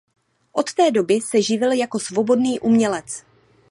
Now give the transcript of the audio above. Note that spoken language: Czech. Od té doby se živil jako svobodný umělec.